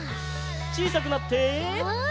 ちいさくなって。